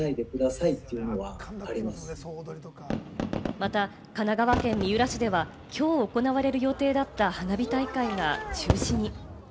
また神奈川県三浦市ではきょう行われる予定だった花火大会が中止に。